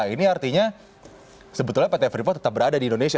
ini artinya sebetulnya pt freeport tetap berada di indonesia